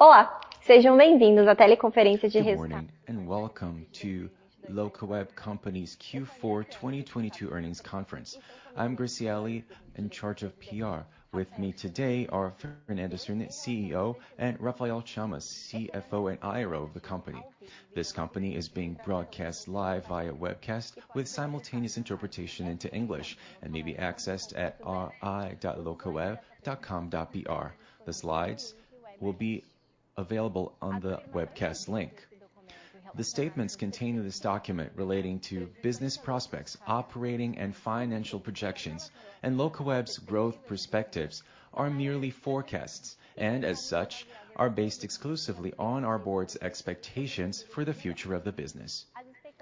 Olá. Sejam bem-vindos à teleconferência de resultados. Good morning and welcome to Locaweb Companies Q4 2022 Earnings Conference. I'm Gracielle, in charge of PR. With me today are Fernando Cirne, CEO, and Rafael Chamas, CFO and DRI of the company. This company is being broadcast live via webcast with simultaneous interpretation into English and may be accessed at ri.locaweb.com.br. The slides will be available on the webcast link. The statements contained in this document relating to business prospects, operating and financial projections, and Locaweb's growth perspectives are merely forecasts, and as such, are based exclusively on our board's expectations for the future of the business.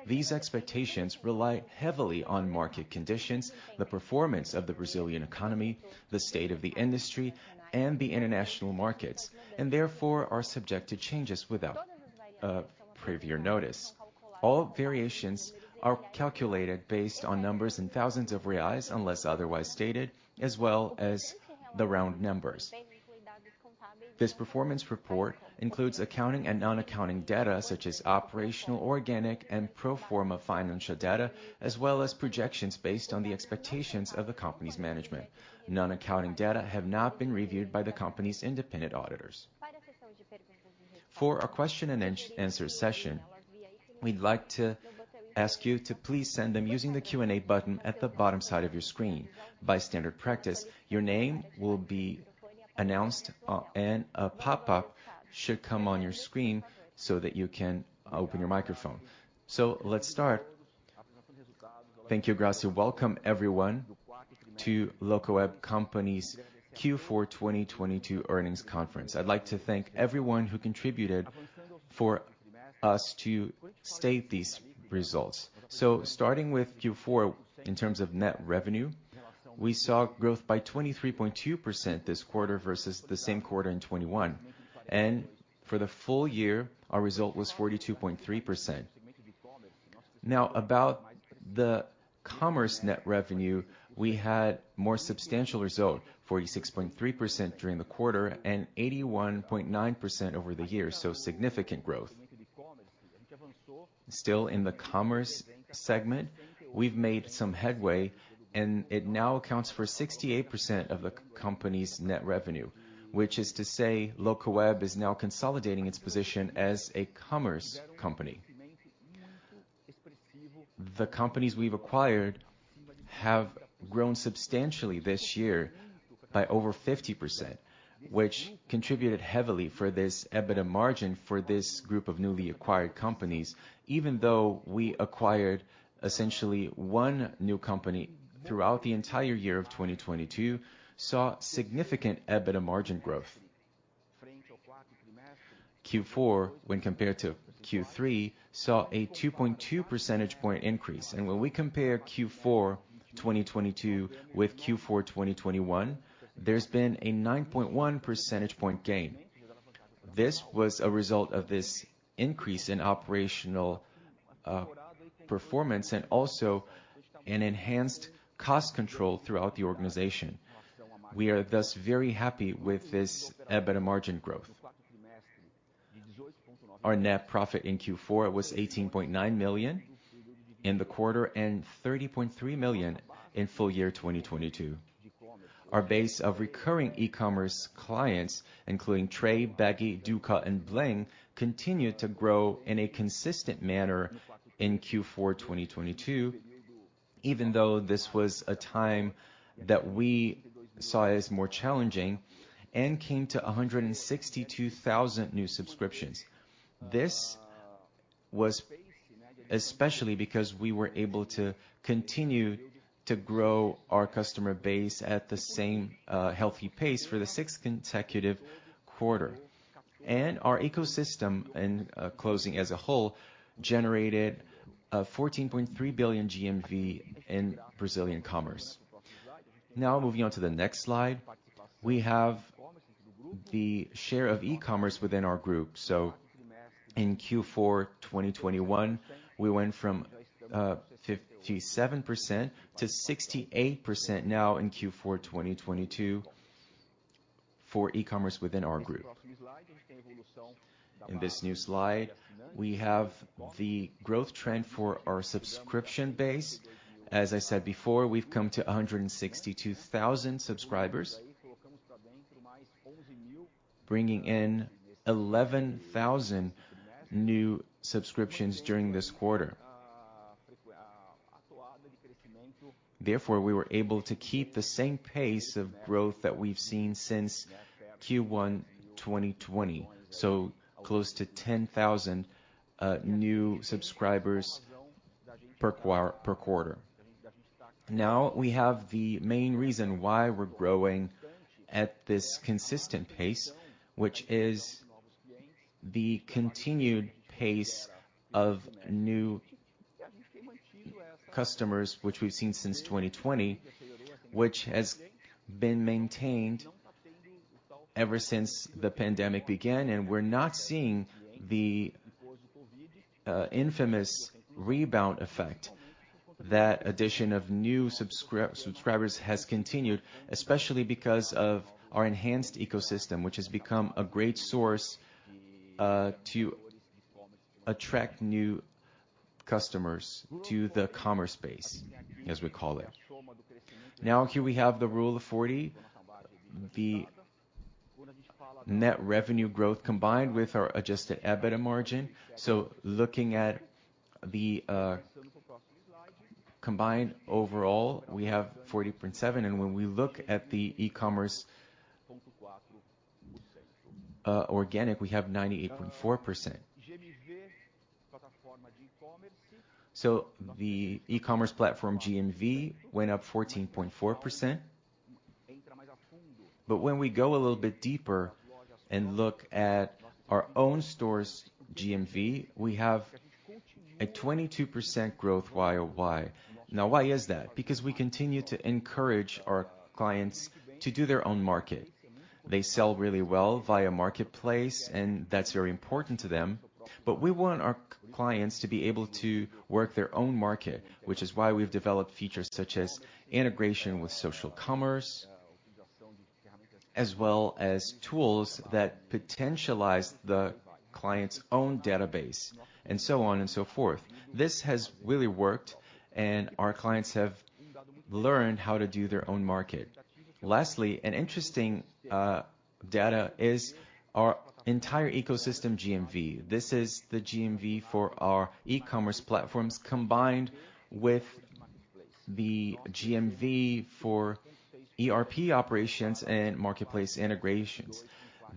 These expectations rely heavily on market conditions, the performance of the Brazilian economy, the state of the industry, and the international markets, and therefore are subject to changes without prior notice. All variations are calculated based on numbers and thousands of BRL, unless otherwise stated, as well as the round numbers. This performance report includes accounting and non-accounting data such as operational, organic, and pro forma financial data, as well as projections based on the expectations of the company's management. Non-accounting data have not been reviewed by the company's independent auditors. For our question and answer session, we'd like to ask you to please send them using the Q&A button at the bottom side of your screen. By standard practice, your name will be announced, and a pop-up should come on your screen so that you can open your microp hone. Let's start. Thank you, Graci. Welcome everyone to Locaweb Company's Q4 2022 earnings conference. I'd like to thank everyone who contributed for us to state these results. Starting with Q4, in terms of net revenue, we saw growth by 23.2% this quarter versus the same quarter in 2021. For the full year, our result was 42.3%. About the commerce net revenue, we had more substantial result, 46.3% during the quarter and 81.9% over the year, so significant growth. Still in the commerce segment, we've made some headway, and it now accounts for 68% of the company's net revenue, which is to say Locaweb is now consolidating its position as a commerce company. The companies we've acquired have grown substantially this year by over 50%, which contributed heavily for this EBITDA margin for this group of newly acquired companies, even though we acquired essentially one new company throughout the entire year of 2022, saw significant EBITDA margin growth. Q4, when compared to Q3, saw a 2.2 percentage point increase. When we compare Q4 2022 with Q4 2021, there's been a 9.1 percentage point gain. This was a result of this increase in operational performance and also an enhanced cost control throughout the organization. We are thus very happy with this EBITDA margin growth. Our net profit in Q4 was 18.9 million in the quarter and 30.3 million in full year 2022. Our base of recurring e-commerce clients, including Tray, Bagy, Dooca, and Bling, continued to grow in a consistent manner in Q4 2022, even though this was a time that we saw as more challenging and came to 162,000 new subscriptions. This was especially because we were able to continue to grow our customer base at the same healthy pace for the sixth consecutive quarter. Our ecosystem in closing as a whole, generated 14.3 billion GMV in Brazilian commerce. Moving on to the next slide, we have the share of e-commerce within our group. In Q4 2021, we went from 57%-68% now in Q4 2022 for e-commerce within our group. In this new slide, we have the growth trend for our subscription base. As I said before, we've come to 162,000 subscribers, bringing in 11,000 new subscriptions during this quarter. Therefore, we were able to keep the same pace of growth that we've seen since Q1 2020, so close to 10,000 new subscribers per quarter. We have the main reason why we're growing at this consistent pace, which is the continued pace of new customers, which we've seen since 2020, which has been maintained ever since the pandemic began. We're not seeing the infamous rebound effect. That addition of new subscribers has continued, especially because of our enhanced ecosystem, which has become a great source to attract new customers to the commerce space, as we call it. Here we have the Rule of 40. The net revenue growth combined with our adjusted EBITDA margin. Looking at the combined overall, we have 40.7, and when we look at the e-commerce organic, we have 98.4%. The e-commerce platform GMV went up 14.4%. When we go a little bit deeper and look at our own store's GMV, we have a 22% growth YoY. Why is that? We continue to encourage our clients to do their own market. They sell really well via marketplace, and that's very important to them. We want our clients to be able to work their own market, which is why we've developed features such as integration with social commerce, as well as tools that potentialize the client's own database and so on and so forth. This has really worked, and our clients have learned how to do their own market. Lastly, an interesting data is our entire ecosystem GMV. This is the GMV for our e-commerce platforms combined with the GMV for ERP operations and marketplace integrations.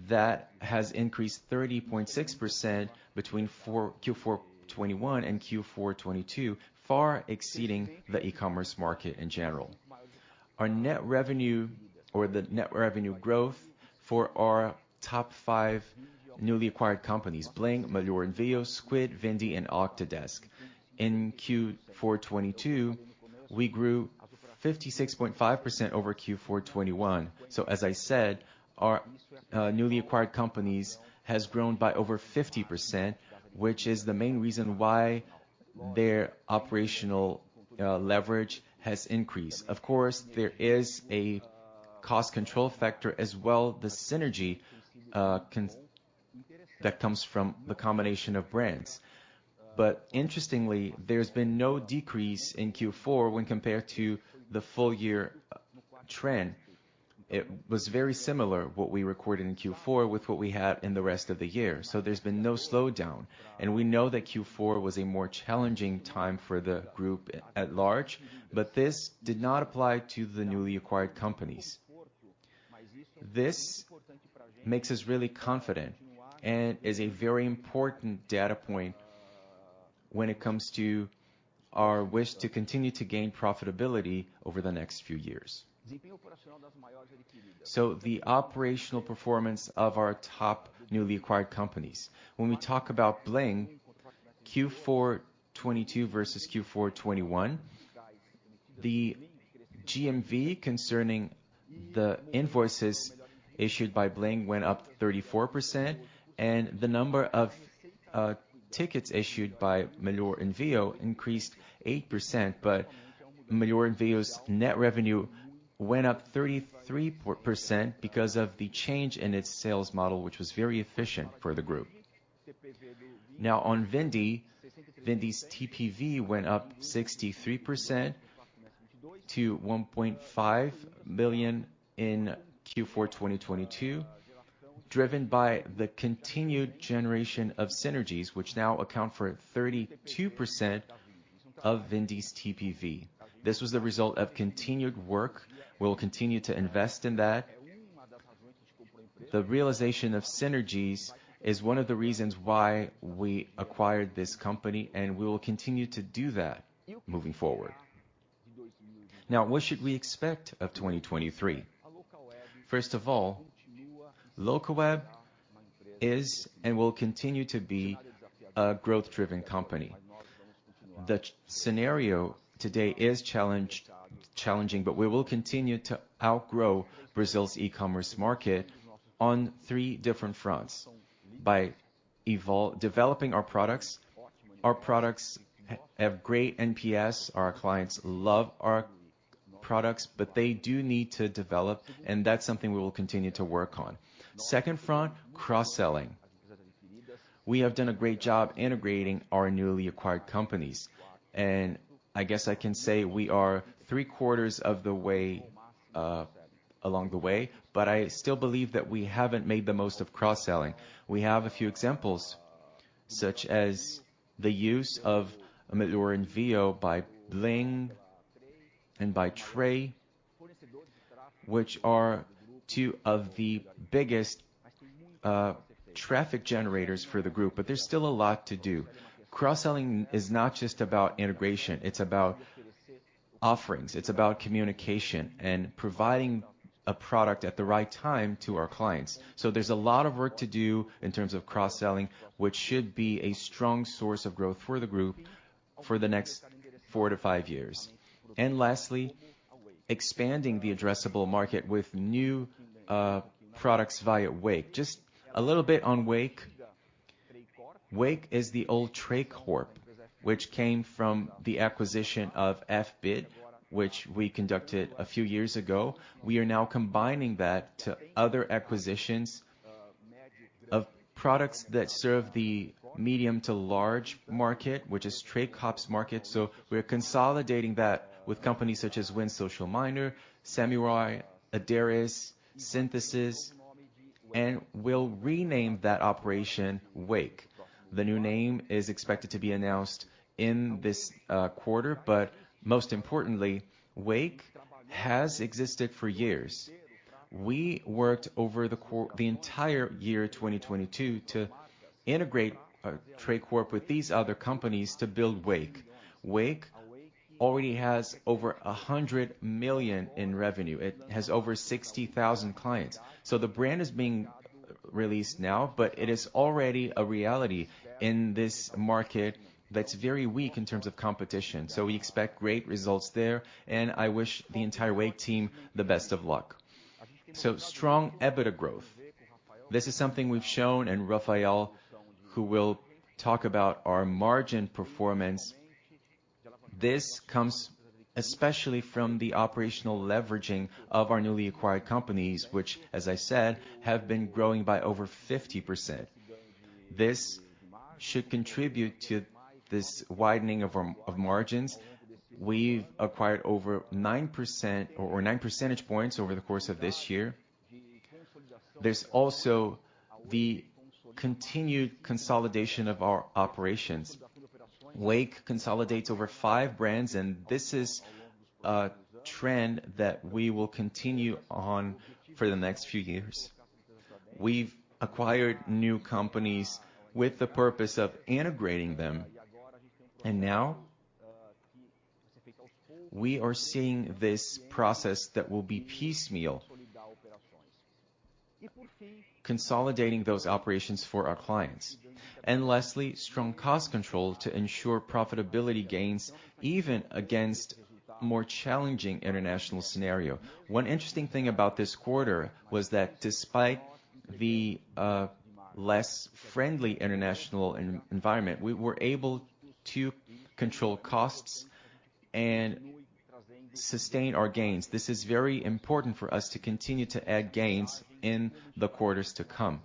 That has increased 30.6% between Q4 2021 and Q4 2022, far exceeding the e-commerce market in general. Our net revenue or the net revenue growth for our top five newly acquired companies, Bling, Melhor Envio, Squid, Vindi, and Octadesk. In Q4 2022, we grew 56.5% over Q4 2021. As I said, our newly acquired companies has grown by over 50%, which is the main reason why their operational leverage has increased. Of course, there is a cost control factor as well, the synergy that comes from the combination of brands. Interestingly, there's been no decrease in Q4 when compared to the full year trend. It was very similar what we recorded in Q4 with what we had in the rest of the year. There's been no slowdown. We know that Q4 was a more challenging time for the group at large, but this did not apply to the newly acquired companies. This makes us really confident and is a very important data point when it comes to our wish to continue to gain profitability over the next few years. The operational performance of our top newly acquired companies. When we talk about Bling, Q4 2022 versus Q4 2021, the GMV concerning the invoices issued by Bling went up 34% and the number of tickets issued by Melhor Envio increased 8%, but Melhor Envio's net revenue went up 33% because of the change in its sales model, which was very efficient for the group. On Vindi's TPV went up 63% to 1.5 million in Q4 2022, driven by the continued generation of synergies which now account for 32% of Vindi's TPV. This was the result of continued work. We will continue to invest in that. The realization of synergies is one of the reasons why we acquired this company, and we will continue to do that moving forward. What should we expect of 2023? First of all, Locaweb is and will continue to be a growth-driven company. The scenario today is challenging, we will continue to outgrow Brazil's e-commerce market on three different fronts by developing our products. Our products have great NPS. Our clients love our products, but they do need to develop, and that's something we will continue to work on. Second front, cross-selling. We have done a great job integrating our newly acquired companies. I guess I can say we are three-quarters of the way along the way. I still believe that we haven't made the most of cross-selling. We have a few examples, such as the use of Melhor Envio by Bling and by Tray, which are two of the biggest traffic generators for the group. There's still a lot to do. Cross-selling is not just about integration, it's about offerings, it's about communication and providing a product at the right time to our clients. There's a lot of work to do in terms of cross-selling, which should be a strong source of growth for the group for the next four to five years. Lastly, expanding the addressable market with new products via Wake. Just a little bit on Wake. Wake is the old Tray Corp, which came from the acquisition of FBIT, which we conducted a few years ago. We are now combining that to other acquisitions of products that serve the medium to large market, which is Tray Corp's market. We're consolidating that with companies such as Social Miner, Samurai, Ideris, Síntese, and we'll rename that operation Wake. The new name is expected to be announced in this quarter. Most importantly, Wake has existed for years. We worked the entire year 2022 to integrate Tray Corp with these other companies to build Wake. Wake already has over 100 million in revenue. It has over 60,000 clients. The brand is being released now, but it is already a reality in this market that's very weak in terms of competition. We expect great results there, and I wish the entire Wake team the best of luck. Strong EBITDA growth. This is something we've shown, and Rafael, who will talk about our margin performance. This comes especially from the operational leveraging of our newly acquired companies, which, as I said, have been growing by over 50%. This should contribute to this widening of margins. We've acquired over 9% or 9 percentage points over the course of this year. There's also the continued consolidation of our operations. Wake consolidates over five brands, and this is a trend that we will continue on for the next few years. We've acquired new companies with the purpose of integrating them. Now we are seeing this process that will be piecemeal, consolidating those operations for our clients. Lastly, strong cost control to ensure profitability gains even against more challenging international scenario. One interesting thing about this quarter was that despite the less friendly international environment, we were able to control costs and sustain our gains. This is very important for us to continue to add gains in the quarters to come.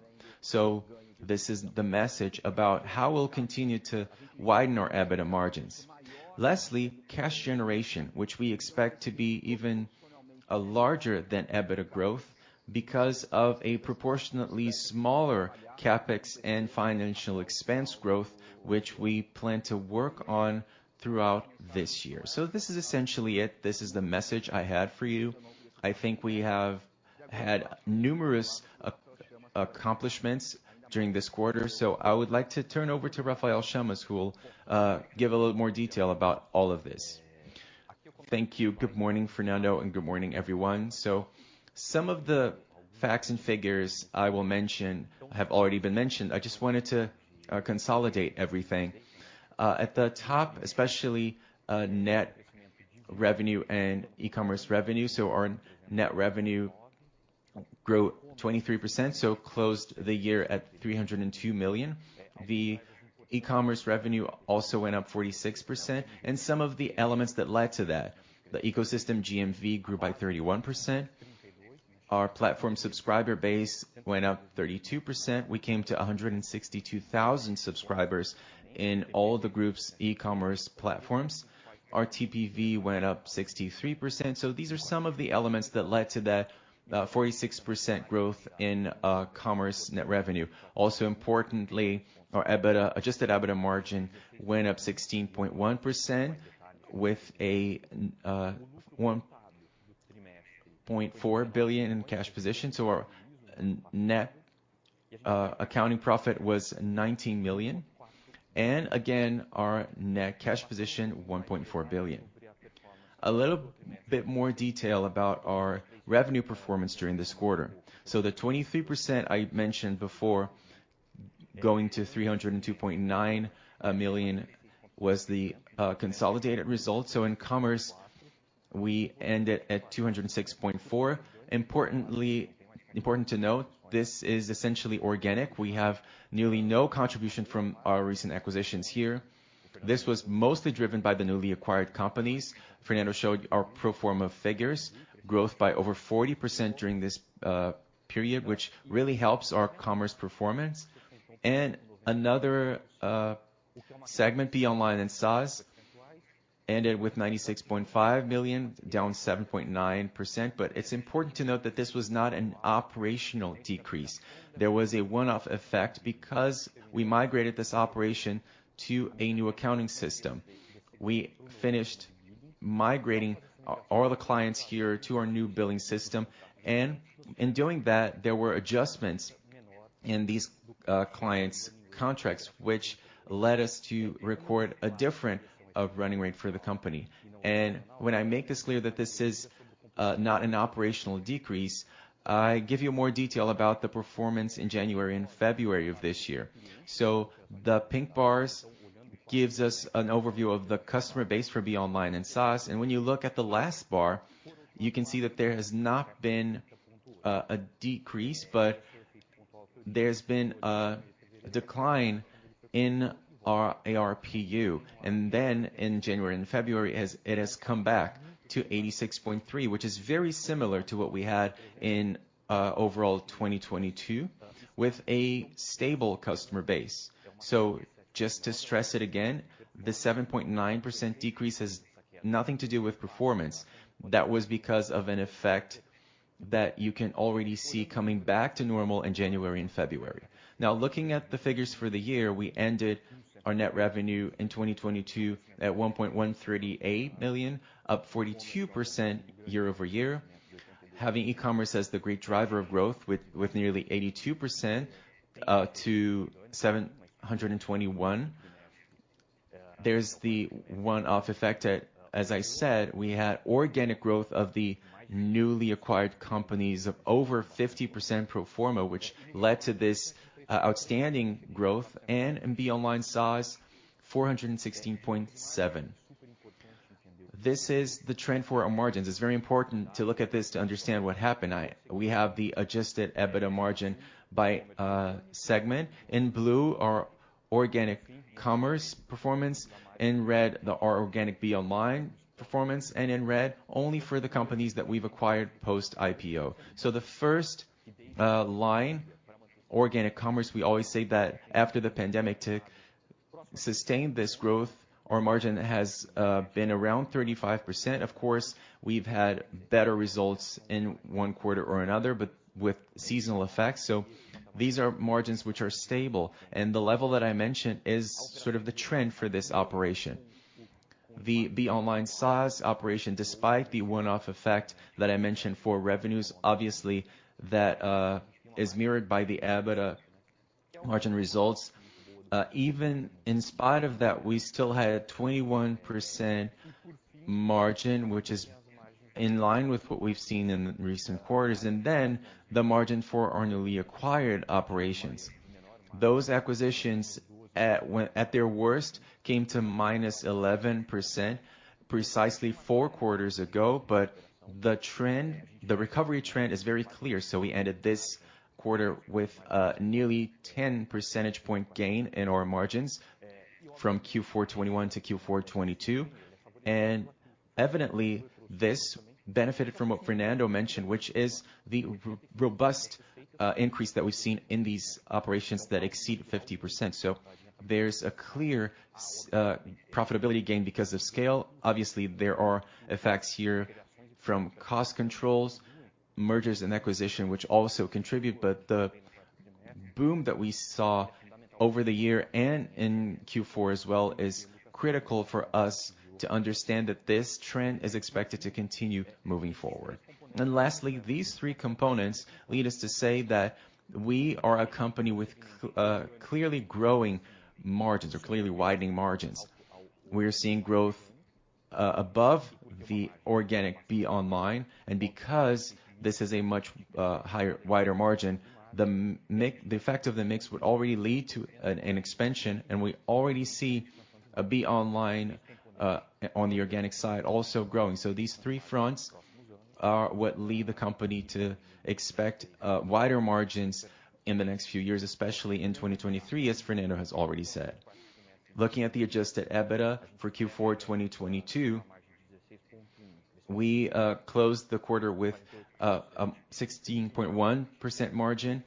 This is the message about how we'll continue to widen our EBITDA margins. Lastly, cash generation, which we expect to be even a larger than EBITDA growth because of a proportionately smaller CapEx and financial expense growth, which we plan to work on throughout this year. This is essentially it. This is the message I had for you. I think we have had numerous accomplishments during this quarter. I would like to turn over to Rafael Chamas, who will give a little more detail about all of this. Thank you. Good morning, Fernando, and good morning, everyone. Some of the facts and figures I will mention have already been mentioned. I just wanted to consolidate everything. At the top, especially, net revenue and e-commerce revenue. Our net revenue grew 23%, so closed the year at 302 million. The e-commerce revenue also went up 46%. Some of the elements that led to that, the ecosystem GMV grew by 31%. Our platform subscriber base went up 32%. We came to 162,000 subscribers in all the group's e-commerce platforms. Our TPV went up 63%. These are some of the elements that led to that 46% growth in commerce net revenue. Importantly, our EBITDA, adjusted EBITDA margin went up 16.1% with 1.4 billion in cash position. Our net accounting profit was 19 million. Again, our net cash position, 1.4 billion. A little bit more detail about our revenue performance during this quarter. The 23% I mentioned before going to 302.9 million was the consolidated result. In commerce, we ended at 206.4 million. Important to note, this is essentially organic. We have nearly no contribution from our recent acquisitions here. This was mostly driven by the newly acquired companies. Fernando showed our pro forma figures growth by over 40% during this period, which really helps our commerce performance. Another segment, BeOnline and SaaS, ended with 96.5 million, down 7.9%. It's important to note that this was not an operational decrease. There was a one-off effect because we migrated this operation to a new accounting system. We finished migrating all the clients here to our new billing system. In doing that, there were adjustments in these clients' contracts, which led us to record a different running rate for the company. When I make this clear that this is not an operational decrease, I give you more detail about the performance in January and February of this year. The pink bars gives us an overview of the customer base for BeOnline and SaaS. When you look at the last bar, you can see that there has not been a decrease, but there's been a decline in our ARPU. In January and February it has come back to 86.3, which is very similar to what we had in overall 2022 with a stable customer base. Just to stress it again, the 7.9% decrease has nothing to do with performance. That was because of an effect that you can already see coming back to normal in January and February. Looking at the figures for the year, we ended our net revenue in 2022 at 1.138 million, up 42% year-over-year. Having e-commerce as the great driver of growth with nearly 82%, to 721 million. There's the one-off effect. As I said, we had organic growth of the newly acquired companies of over 50% pro forma, which led to this outstanding growth and in BeOnline SaaS 416.7%. This is the trend for our margins. It's very important to look at this to understand what happened. We have the adjusted EBITDA margin by segment. In blue, our organic commerce performance. In red, our organic BeOnline performance, and in red, only for the companies that we've acquired post-IPO. The first line, organic commerce, we always say that after the pandemic to sustain this growth, our margin has been around 35%. Of course, we've had better results in one quarter or another, but with seasonal effects. These are margins which are stable. The level that I mentioned is sort of the trend for this operation. The BeOnline SaaS operation, despite the one-off effect that I mentioned for revenues, obviously that is mirrored by the EBITDA margin results. Even in spite of that, we still had 21% margin, which is in line with what we've seen in the recent quarters. The margin for our newly acquired operations. Those acquisitions at their worst came to -11% precisely four quarters ago. The trend, the recovery trend is very clear. We ended this quarter with nearly 10 percentage point gain in our margins from Q4 2021 to Q4 2022. Evidently, this benefited from what Fernando mentioned, which is the robust increase that we've seen in these operations that exceed 50%. There's a clear profitability gain because of scale. Obviously, there are effects here from cost controls, mergers and acquisition, which also contribute. The boom that we saw over the year and in Q4 as well is critical for us to understand that this trend is expected to continue moving forward. Lastly, these three components lead us to say that we are a company with clearly growing margins or clearly widening margins. We're seeing growth above the organic BeOnline. Because this is a much wider margin, the effect of the mix would already lead to an expansion, and we already see a BeOnline on the organic side also growing. These three fronts are what lead the company to expect wider margins in the next few years, especially in 2023, as Fernando has already said. Looking at the adjusted EBITDA for Q4 2022, we closed the quarter with 16.1% margin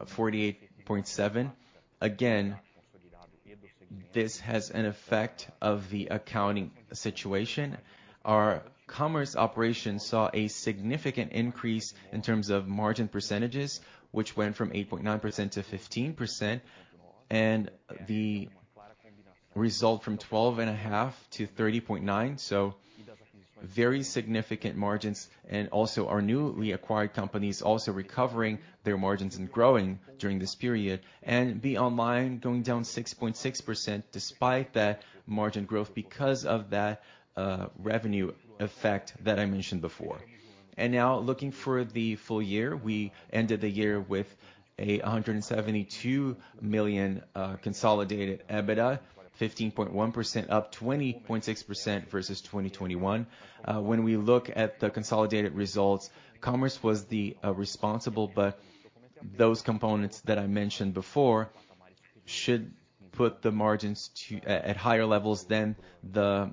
of 48.7 million. Again, this has an effect of the accounting situation. Our commerce operations saw a significant increase in terms of margin percentages, which went from 8.9%-15%, and the result from 12.5%-30.9%. Very significant margins. Also our newly acquired companies also recovering their margins and growing during this period. BeOnline going down 6.6% despite that margin growth because of that revenue effect that I mentioned before. Now looking for the full year, we ended the year with 172 million consolidated EBITDA, 15.1%, up 20.6% versus 2021. When we look at the consolidated results, commerce was the responsible, but those components that I mentioned before should put the margins at higher levels than the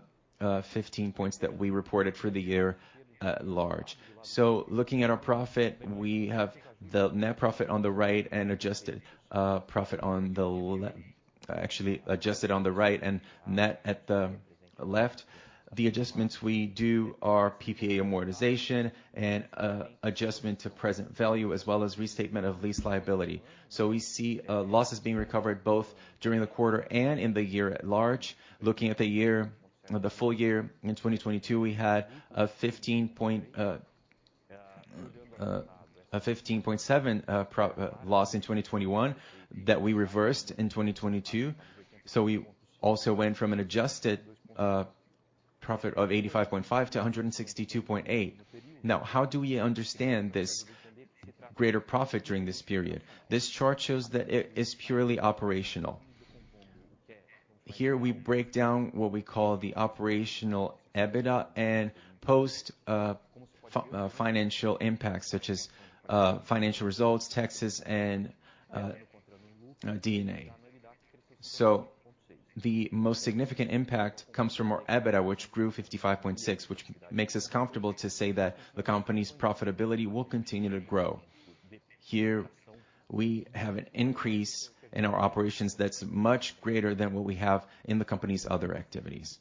15 points that we reported for the year at large. Looking at our profit, we have the net profit on the right and adjusted profit on the left. Actually, adjusted on the right and net at the left. The adjustments we do are PPA amortization and adjustment to present value, as well as restatement of lease liability. We see losses being recovered both during the quarter and in the year at large. Looking at the full year in 2022, we had a 15.7 loss in 2021 that we reversed in 2022. We also went from an adjusted profit of 85.5 million-162.8 million. Now, how do we understand this greater profit during this period? This chart shows that it is purely operational. Here we break down what we call the operational EBITDA and post financial impacts such as financial results, taxes and D&A. The most significant impact comes from our EBITDA, which grew 55.6%, which makes us comfortable to say that the company's profitability will continue to grow. Here we have an increase in our operations that's much greater than what we have in the company's other activities.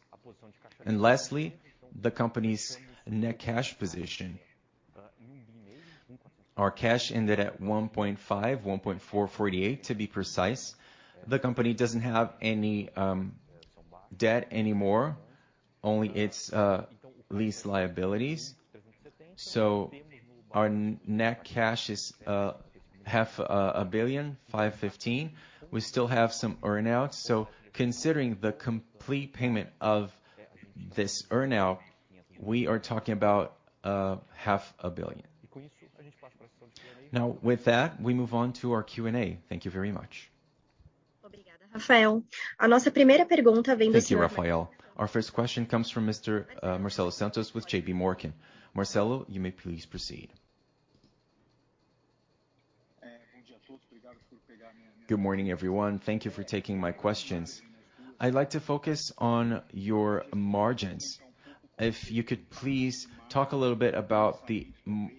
Lastly, the company's net cash position. Our cash ended at 1.5 billion, 1.448 billion to be precise. The company doesn't have any debt anymore, only its lease liabilities. Our net cash is BRL half a billion, 515. We still have some earn-outs. Considering the complete payment of this earn-out, we are talking about BRL half a billion. With that, we move on to our Q&A. Thank you very much. Thank you, Rafael. Our first question comes from Mr. Marcelo Santos with JPMorgan. Marcelo, you may please proceed. Good morning, everyone. Thank you for taking my questions. I'd like to focus on your margins. If you could please talk a little bit about the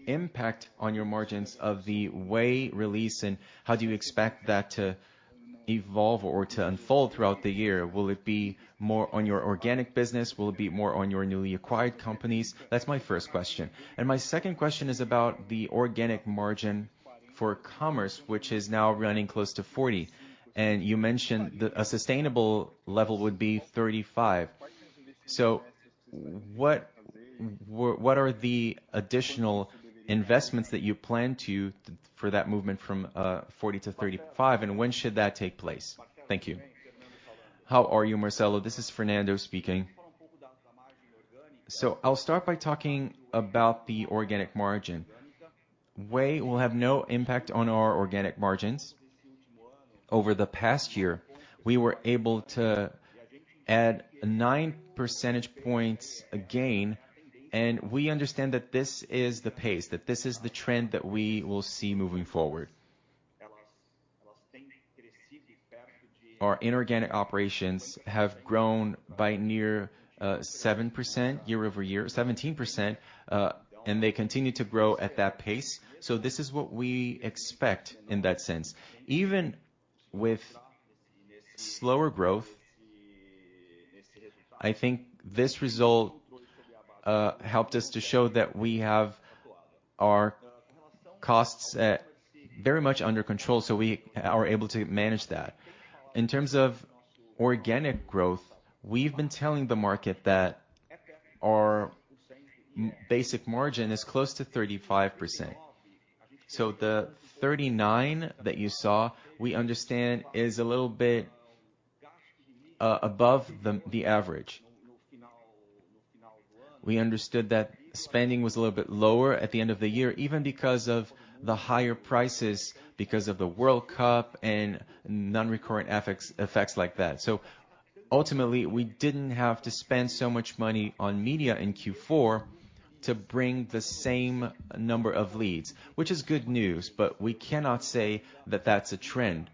impact on your margins of the Wake release. How do you expect that to evolve or to unfold throughout the year? Will it be more on your organic business? Will it be more on your newly acquired companies? That's my first question. My second question is about the organic margin for commerce, which is now running close to 40. You mentioned a sustainable level would be 35. What are the additional investments that you plan for that movement from 40 to 35, and when should that take place? Thank you. How are you, Marcelo? This is Fernando speaking. I'll start by talking about the organic margin. Wake will have no impact on our organic margins. Over the past year, we were able to add 9 percentage points again. We understand that this is the pace, that this is the trend that we will see moving forward. Our inorganic operations have grown by near 7% year-over-year, 17%. They continue to grow at that pace. This is what we expect in that sense. Even with slower growth, I think this result helped us to show that we have our costs very much under control. We are able to manage that. In terms of organic growth, we've been telling the market that our basic margin is close to 35%. The 39 that you saw, we understand is a little bit above the average. We understood that spending was a little bit lower at the end of the year, even because of the higher prices, because of the World Cup and non-recurrent effects like that. Ultimately, we didn't have to spend so much money on media in Q4 to bring the same number of leads, which is good news, but we cannot say that that's a trend.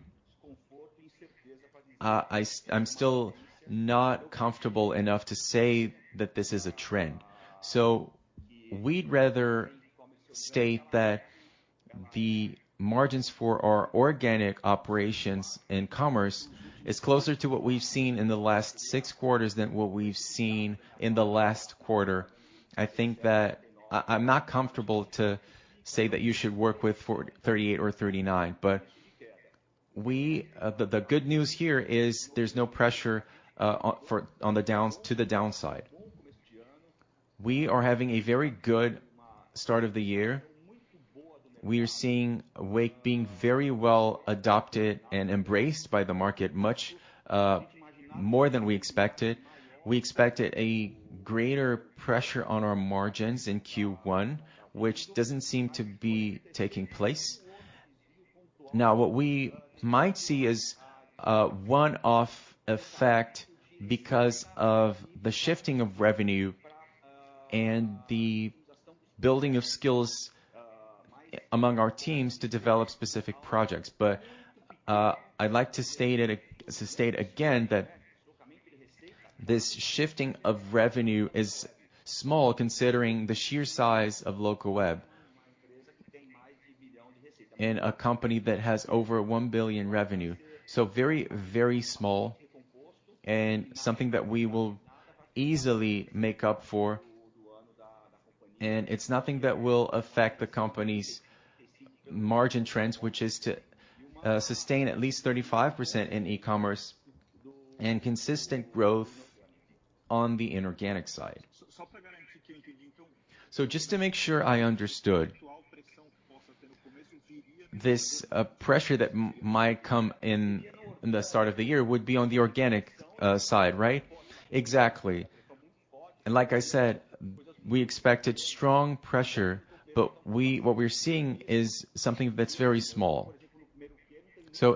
I'm still not comfortable enough to say that this is a trend. We'd rather state that the margins for our organic operations and commerce is closer to what we've seen in the last six quarters than what we've seen in the last quarter. I think that I'm not comfortable to say that you should work with 38% or 39%. We, the good news here is there's no pressure to the downside. We are having a very good start of the year. We are seeing Wake being very well adopted and embraced by the market much more than we expected. We expected a greater pressure on our margins in Q1, which doesn't seem to be taking place. What we might see is a one-off effect because of the shifting of revenue and the building of skills among our teams to develop specific projects. I'd like to state again that this shifting of revenue is small considering the sheer size of Locaweb. In a company that has over 1 billion revenue. Very, very small and something that we will easily make up for, and it's nothing that will affect the company's margin trends, which is to sustain at least 35% in e-commerce and consistent growth on the inorganic side. Just to make sure I understood. This pressure that might come in the start of the year would be on the organic side, right? Exactly. Like I said, we expected strong pressure, but what we're seeing is something that's very small.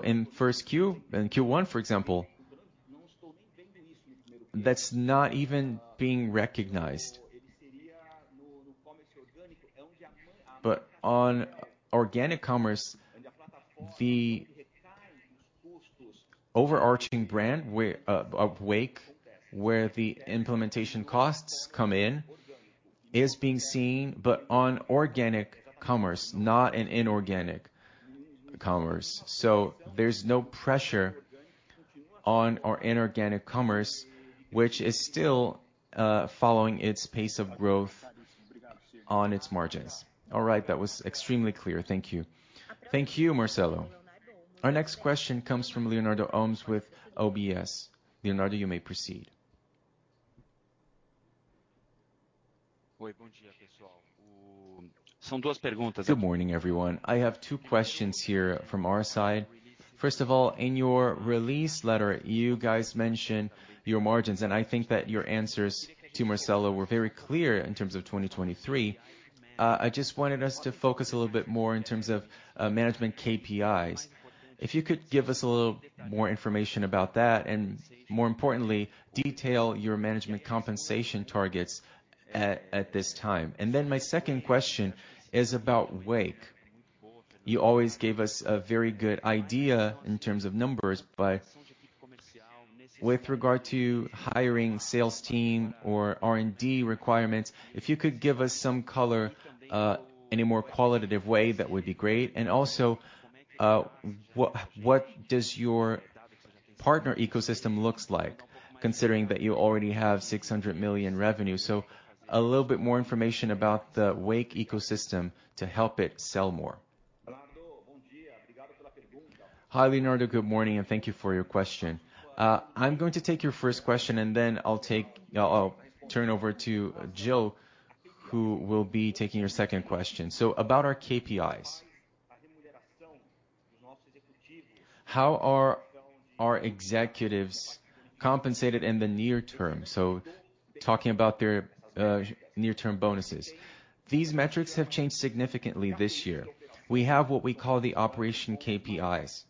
In first Q, in Q1, for example, that's not even being recognized. On organic commerce, the overarching brand where of Wake, where the implementation costs come in is being seen but on organic commerce not in inorganic commerce. There's no pressure on our inorganic commerce, which is still following its pace of growth on its margins. All right. That was extremely clear. Thank you. Thank you, Marcelo. Our next question comes from Leonardo Olmos with UBS. Leonardo, you may proceed. Good morning, everyone. I have two questions here from our side. First of all, in your release letter, you guys mentioned your margins, and I think that your answers to Marcelo were very clear in terms of 2023. I just wanted us to focus a little bit more in terms of management KPIs. If you could give us a little more information about that, and more importantly, detail your management compensation targets at this time. My second question is about Wake. You always gave us a very good idea in terms of numbers, but with regard to hiring sales team or R&D requirements, if you could give us some color in a more qualitative way, that would be great. What does your partner ecosystem looks like considering that you already have 600 million revenue? A little bit more information about the Wake ecosystem to help it sell more. Hi, Leonardo. Good morning, and thank you for your question. I'm going to take your first question, and then I'll turn over to Gil who will be taking your second question. About our KPIs. How are our executives compensated in the near term? Talking about their near-term bonuses. These metrics have changed significantly this year. We have what we call the operation KPIs.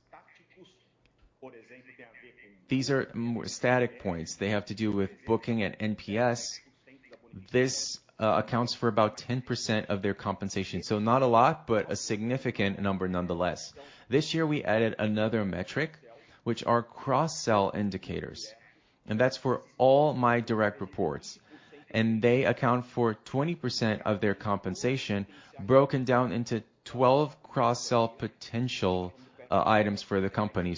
These are static points. They have to do with booking at NPS. This accounts for about 10% of their compensation. Not a lot, but a significant number nonetheless. This year we added another metric, which are cross-sell indicators, and that's for all my direct reports. They account for 20% of their compensation broken down into 12 cross-sell potential items for the company.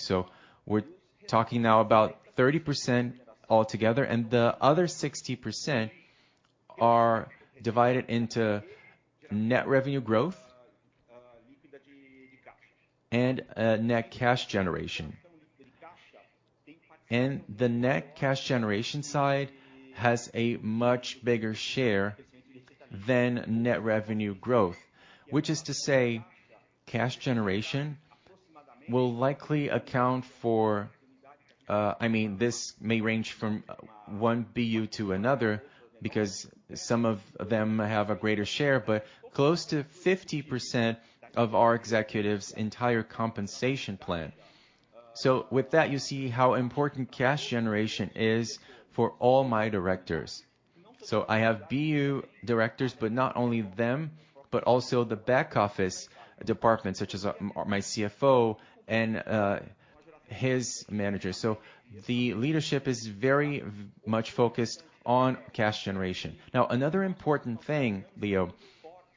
We're talking now about 30% altogether and the other 60% are divided into net revenue growth and net cash generation. The net cash generation side has a much bigger share than net revenue growth. Which is to say cash generation will likely account for, I mean this may range from one BU to another because some of them have a greater share, but close to 50% of our executives' entire compensation plan. With that you see how important cash generation is for all my directors. I have BU directors but not only them, but also the back office department such as, my CFO and his manager. The leadership is very much focused on cash generation. Another important thing, Leo,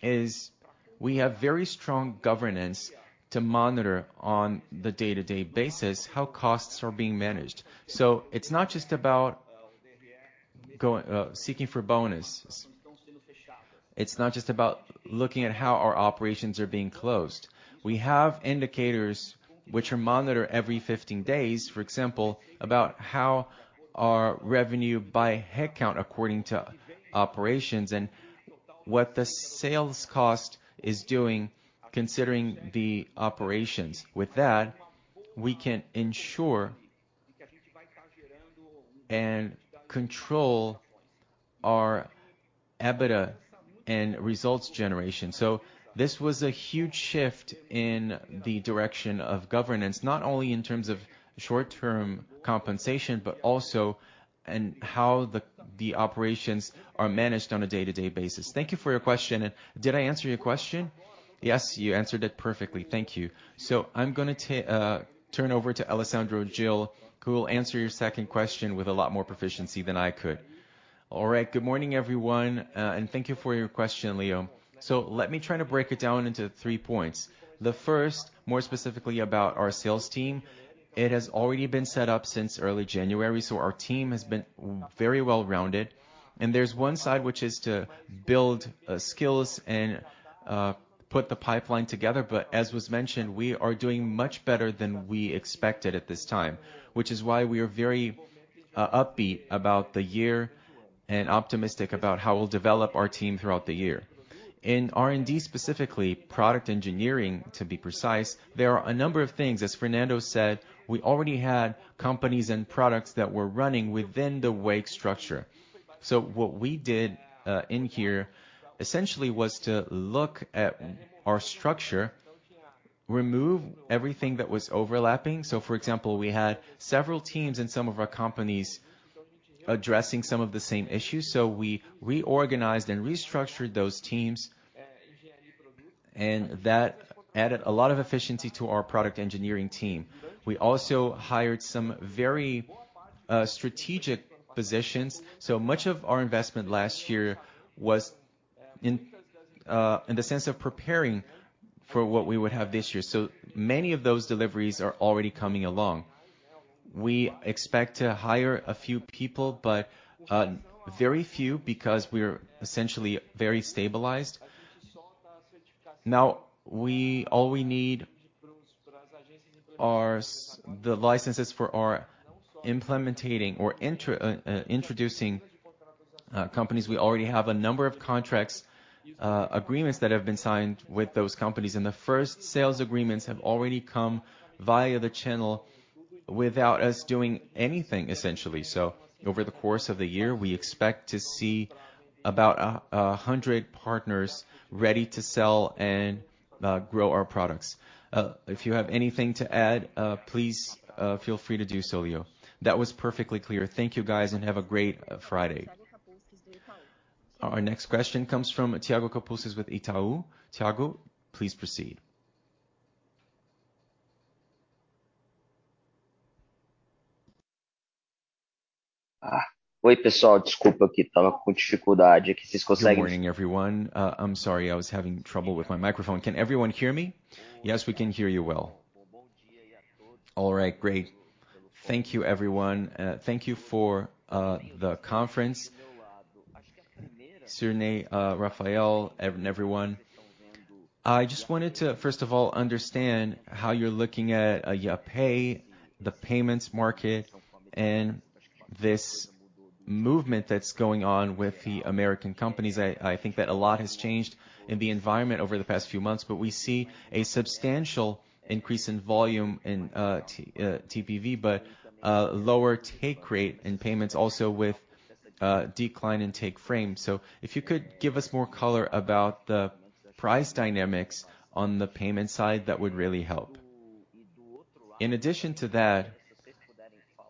is we have very strong governance to monitor on the day-to-day basis how costs are being managed. It's not just about going, seeking for bonus. It's not just about looking at how our operations are being closed. We have indicators which are monitored every 15 days, for example, about how our revenue by headcount according to operations and what the sales cost is doing considering the operations. With that, we can ensure and control our EBITDA and results generation. This was a huge shift in the direction of governance, not only in terms of short-term compensation but also in how the operations are managed on a day-to-day basis. Thank you for your question. Did I answer your question? Yes, you answered it perfectly. Thank you. I'm gonna turn over to Alessandro Gil who will answer your second question with a lot more proficiency than I could. All right. Good morning, everyone, and thank you for your question, Leo. Let me try to break it down into three points. The first, more specifically about our sales team. It has already been set up since early January, so our team has been very well-rounded. There's one side which is to build skills and put the pipeline together. As was mentioned, we are doing much better than we expected at this time. Which is why we are very upbeat about the year. And optimistic about how we'll develop our team throughout the year. In R&D specifically, product engineering to be precise, there are a number of things. As Fernando said, we already had companies and products that were running within the Wake structure. What we did in here essentially was to look at our structure, remove everything that was overlapping. For example, we had several teams in some of our companies addressing some of the same issues. We reorganized and restructured those teams, and that added a lot of efficiency to our product engineering team. We also hired some very strategic positions. Much of our investment last year was in the sense of preparing for what we would have this year. Many of those deliveries are already coming along. We expect to hire a few people, but very few because we're essentially very stabilized. Now all we need are the licenses for our implementing or introducing companies. We already have a number of contracts, agreements that have been signed with those companies. The first sales agreements have already come via the channel without us doing anything, essentially. Over the course of the year, we expect to see about 100 partners ready to sell and grow our products. If you have anything to add, please feel free to do so, Leo. That was perfectly clear. Thank you, guys, have a great Friday. Our next question comes from Thiago Kapulskis with Itaú. Thiago, please proceed. Good morning, everyone. I'm sorry. I was having trouble with my microphone. Can everyone hear me? Yes, we can hear you well. All right, great. Thank you, everyone. Thank you for the conference. Cirne, Rafael, everyone. I just wanted to, first of all, understand how you're looking at Yapay, the payments market and this movement that's going on with the American companies. I think that a lot has changed in the environment over the past few months, but we see a substantial increase in volume in TPV, but lower take rate in payments also with decline in take frame. If you could give us more color about the price dynamics on the payment side, that would really help. In addition to that,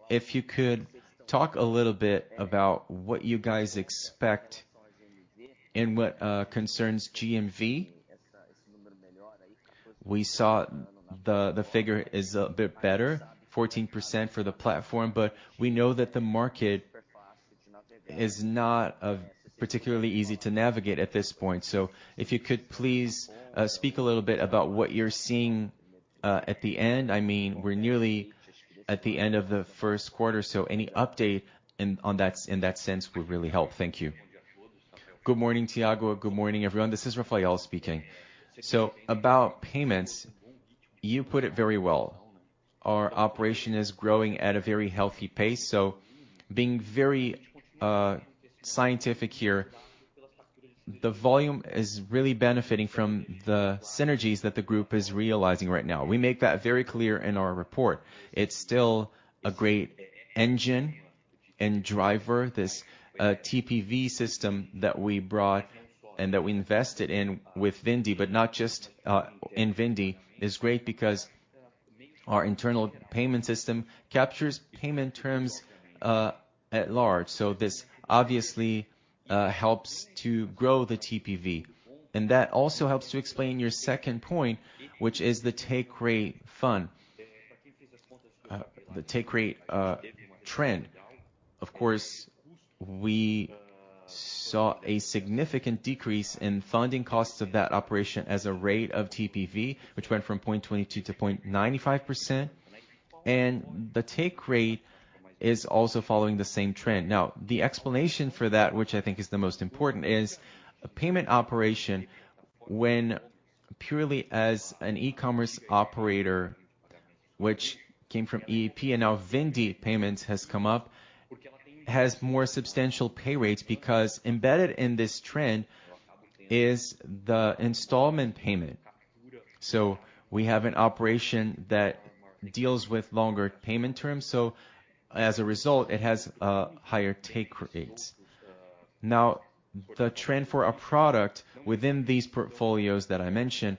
if you could talk a little bit about what you guys expect in what concerns GMV. We saw the figure is a bit better, 14% for the platform, but we know that the market is not particularly easy to navigate at this point. If you could please speak a little bit about what you're seeing at the end. I mean, we're nearly at the end of the first quarter, any update in that sense would really help. Thank you. Good morning, Thiago. Good morning, everyone. This is Rafael speaking. About payments, you put it very well. Our operation is growing at a very healthy pace, being very scientific here, the volume is really benefiting from the synergies that the group is realizing right now. We make that very clear in our report. It's still a great engine and driver, this TPV system that we brought and that we invested in with Vindi, but not just in Vindi, is great because our internal payment system captures payment terms at large. This obviously helps to grow the TPV. That also helps to explain your second point, which is the take rate fund. The take rate trend. Of course, we saw a significant decrease in funding costs of that operation as a rate of TPV, which went from 0.22%-0.95%. The take rate is also following the same trend. The explanation for that, which I think is the most important, is a payment operation when purely as an e-commerce operator, which came from EEP and now Vindi payments has come up, has more substantial pay rates because embedded in this trend is the installment payment. We have an operation that deals with longer payment terms, so as a result, it has higher take rates. The trend for a product within these portfolios that I mentioned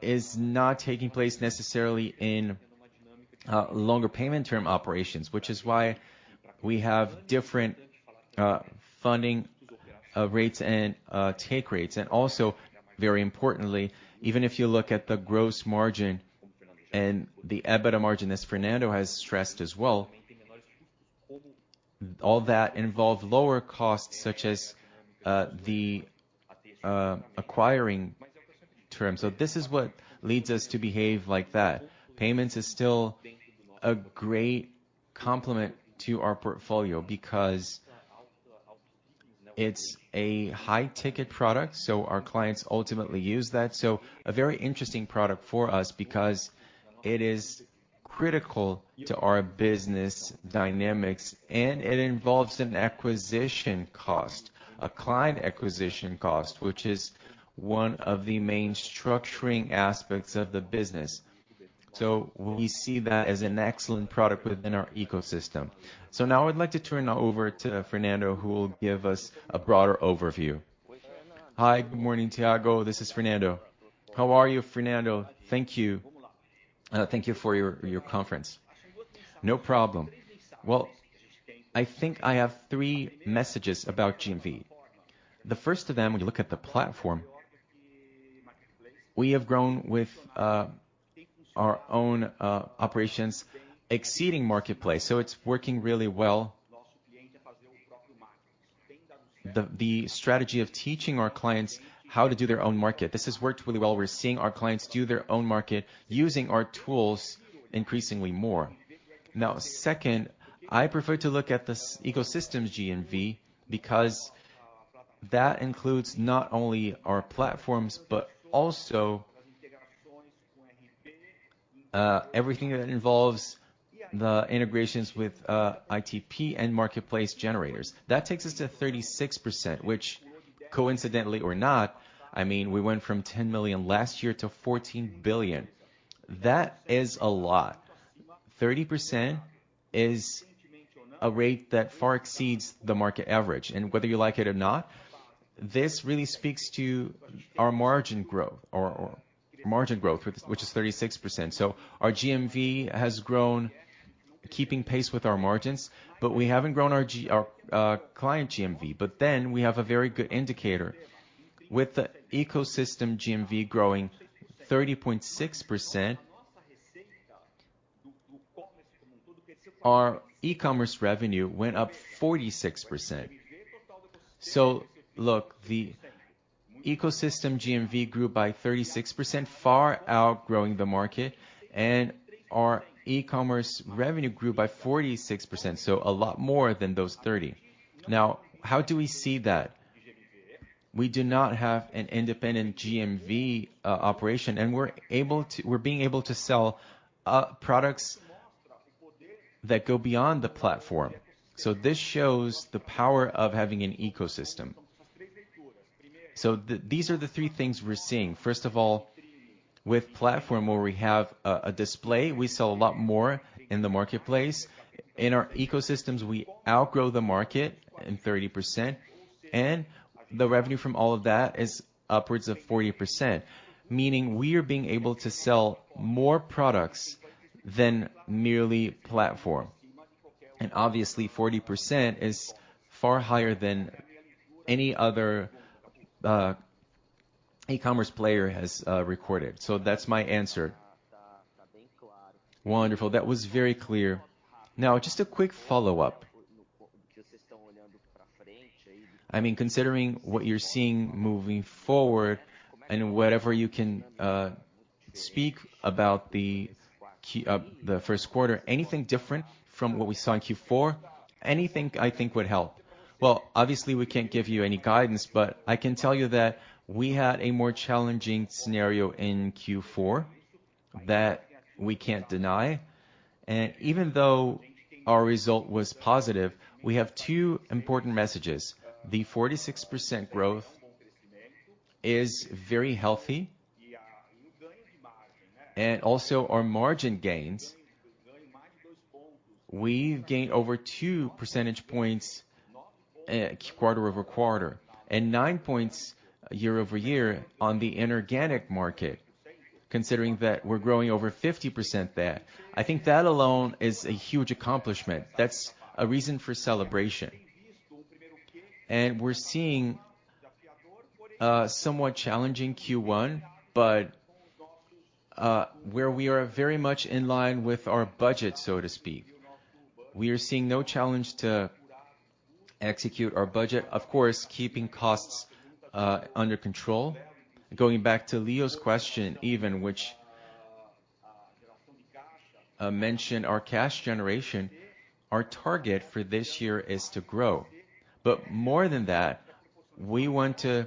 is not taking place necessarily in longer payment term operations, which is why we have different funding rates and take rates. Also, very importantly, even if you look at the gross margin and the EBITDA margin, as Fernando has stressed as well, all that involve lower costs, such as the acquiring terms. This is what leads us to behave like that. Payments is still a great complement to our portfolio because it's a high ticket product, so our clients ultimately use that. A very interesting product for us because it is critical to our business dynamics, and it involves an acquisition cost, a client acquisition cost, which is one of the main structuring aspects of the business. We see that as an excellent product within our ecosystem. Now I'd like to turn over to Fernando, who will give us a broader overview. Hi, good morning, Thiago. This is Fernando. How are you, Fernando? Thank you. Thank you for your conference. No problem. Well, I think I have three messages about GMV. The first of them, we look at the platform. We have grown with our own operations exceeding marketplace, so it's working really well. The strategy of teaching our clients how to do their own market, this has worked really well. We're seeing our clients do their own market using our tools increasingly more. Second, I prefer to look at this ecosystem's GMV because that includes not only our platforms, but also everything that involves the integrations with ITP and marketplace generators. That takes us to 36%, which coincidentally or not, I mean, we went from 10 million last year to 14 billion. That is a lot. 30% is a rate that far exceeds the market average. Whether you like it or not, this really speaks to our margin growth or margin growth, which is 36%. Our GMV has grown, keeping pace with our margins, but we haven't grown our client GMV, but then we have a very good indicator. With the ecosystem GMV growing 30.6%, our e-commerce revenue went up 46%. The ecosystem GMV grew by 36%, far outgrowing the market, and our e-commerce revenue grew by 46%, so a lot more than those 30%. How do we see that? We do not have an independent GMV operation, and we're being able to sell products that go beyond the platform. This shows the power of having an ecosystem. These are the three things we're seeing. First of all, with platform where we have a display, we sell a lot more in the marketplace. In our ecosystems, we outgrow the market in 30%, and the revenue from all of that is upwards of 40%, meaning we are being able to sell more products than merely platform. Obviously, 40% is far higher than any other e-commerce player has recorded. That's my answer. Wonderful. That was very clear. Just a quick follow-up. I mean, considering what you're seeing moving forward and whatever you can speak about the first quarter, anything different from what we saw in Q4? Anything I think would help. Well, obviously, we can't give you any guidance, but I can tell you that we had a more challenging scenario in Q4 that we can't deny. Even though our result was positive, we have two important messages. The 46% growth is very healthy, and also our margin gains. We've gained over 2 percentage points quarter-over-quarter and nine points year-over-year on the inorganic market. Considering that we're growing over 50% there, I think that alone is a huge accomplishment. That's a reason for celebration. We're seeing a somewhat challenging Q1, but where we are very much in line with our budget, so to speak. We are seeing no challenge to execute our budget, of course, keeping costs under control. Going back to Leo's question even which mention our cash generation, our target for this year is to grow. More than that, we want to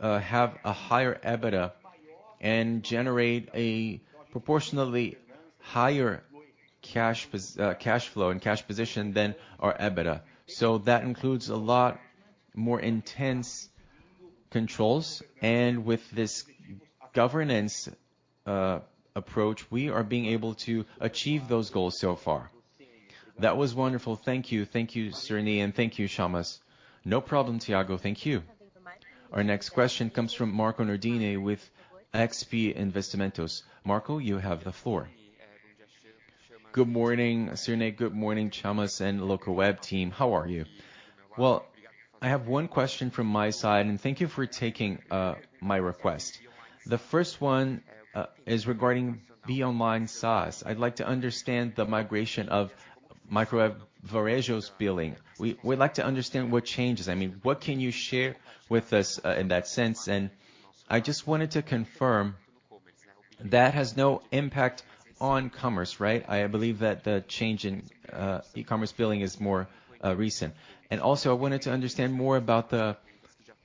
have a higher EBITDA and generate a proportionally higher cash flow and cash position than our EBITDA. That includes a lot more intense controls. With this governance approach, we are being able to achieve those goals so far. That was wonderful. Thank you. Thank you, Cirne, and thank you, Chamas. No problem, Thiago. Thank you. Our next question comes from Marco Nardini with XP Investimentos. Marco, you have the floor. Good morning, Cirne. Good morning, Chamas and Locaweb team. How are you? Well, I have one question from my side, and thank you for taking my request. The first one is regarding BeOnline SaaS. I'd like to understand the migration of Microvarejo's billing. We'd like to understand what changes. I mean, what can you share with us in that sense? I just wanted to confirm that has no impact on commerce, right? I believe that the change in e-commerce billing is more recent. Also, I wanted to understand more about the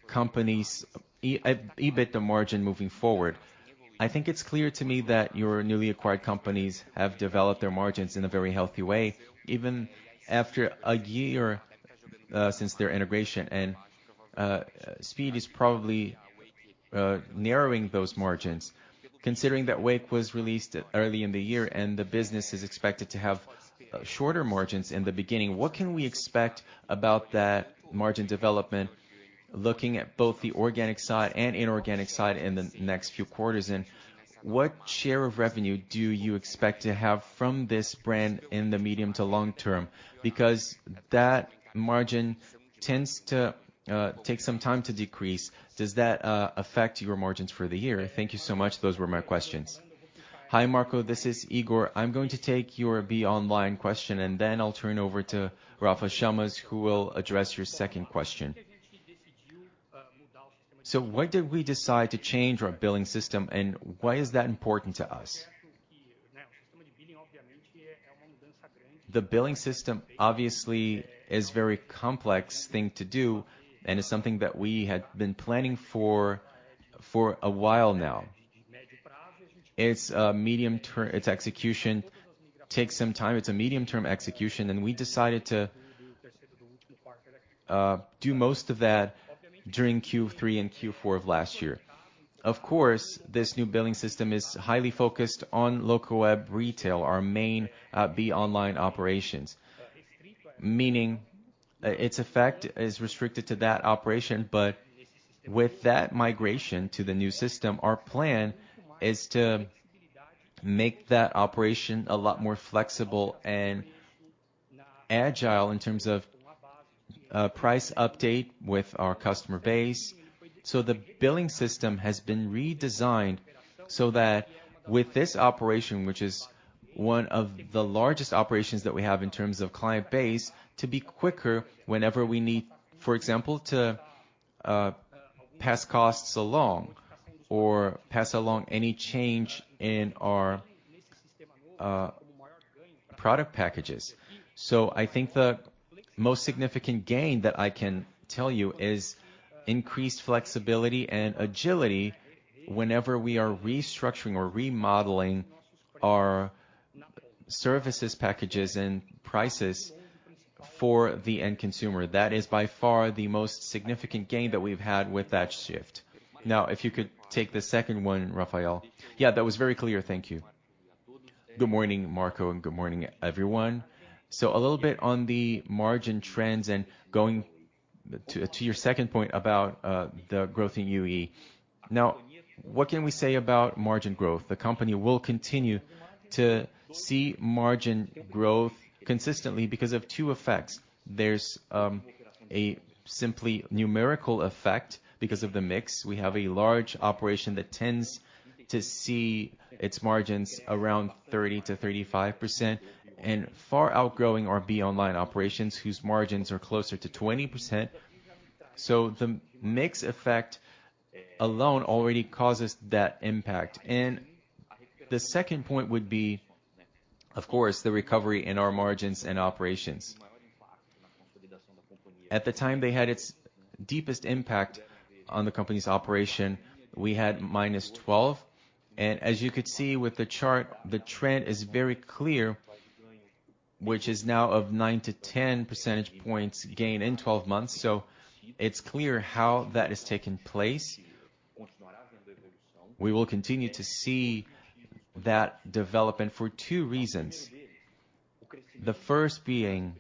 company's EBITDA margin moving forward. I think it's clear to me that your newly acquired companies have developed their margins in a very healthy way, even after a year since their integration. Speed is probably narrowing those margins. Considering that Wake was released early in the year and the business is expected to have shorter margins in the beginning, what can we expect about that margin development looking at both the organic side and inorganic side in the next few quarters? What share of revenue do you expect to have from this brand in the medium to long term? That margin tends to take some time to decrease. Does that affect your margins for the year? Thank you so much. Those were my questions. Hi, Marco. This is Higor. I'm going to take your BeOnline question, and then I'll turn over to Rafael Chamas, who will address your second question. Why did we decide to change our billing system, and why is that important to us? The billing system obviously is very complex thing to do. It's something that we had been planning for a while now. Its execution takes some time. It's a medium-term execution. We decided to do most of that during Q3 and Q4 of last year. Of course, this new billing system is highly focused on Locaweb Retail, our main BeOnline operations. Meaning, its effect is restricted to that operation. With that migration to the new system, our plan is to make that operation a lot more flexible and agile in terms of price update with our customer base. The billing system has been redesigned so that with this operation, which is one of the largest operations that we have in terms of client base, to be quicker whenever we need, for example, to pass costs along or pass along any change in our product packages. I think the most significant gain that I can tell you is increased flexibility and agility whenever we are restructuring or remodeling our services, packages, and prices for the end consumer. That is by far the most significant gain that we've had with that shift. If you could take the second one, Rafael. Yeah, that was very clear. Thank you. Good morning, Marco, and good morning, everyone. A little bit on the margin trends and going to your second point about the growth in UE. What can we say about margin growth? The company will continue to see margin growth consistently because of two effects. There's a simply numerical effect because of the mix. We have a large operation that tends to see its margins around 30%-35% and far outgrowing our BeOnline operations, whose margins are closer to 20%. The mix effect alone already causes that impact. The second point would be, of course, the recovery in our margins and operations. At the time they had its deepest impact on the company's operation, we had -12. As you could see with the chart, the trend is very clear, which is now of 9-10 percentage points gain in 12 months. It's clear how that has taken place. We will continue to see that development for two reasons. The first being